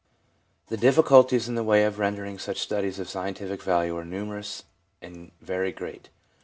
The difficulties in the way of rendering such studies of scientific value are numerous and very great.